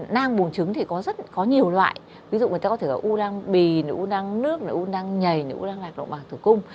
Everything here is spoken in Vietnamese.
năng buồn trứng có rất nhiều loại ví dụ có thể là u năng bì u năng nước u năng nhầy u năng lạc động bằng thử cung